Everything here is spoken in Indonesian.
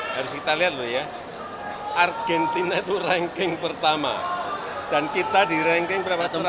harus kita lihat dulu ya argentina itu ranking pertama dan kita di ranking satu ratus empat puluh sembilan